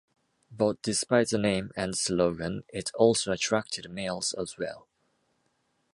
But despite the name and slogan, it also attracted males as well.